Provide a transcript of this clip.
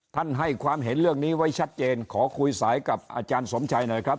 ให้ความเห็นเรื่องนี้ไว้ชัดเจนขอคุยสายกับอาจารย์สมชัยหน่อยครับ